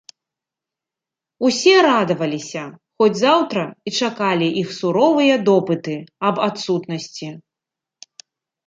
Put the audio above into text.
Усе радаваліся, хоць заўтра і чакалі іх суровыя допыты аб адсутнасці.